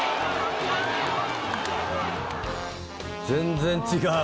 全然違う。